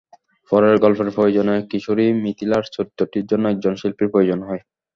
পরে গল্পের প্রয়োজনে কিশোরী মিথিলার চরিত্রটির জন্য একজন শিল্পীর প্রয়োজন হয়।